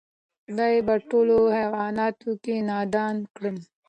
خدای په ټولوحیوانانو کی نادان کړم